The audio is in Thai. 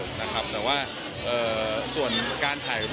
คุณแม่น้องให้โอกาสดาราคนในผมไปเจอคุณแม่น้องให้โอกาสดาราคนในผมไปเจอ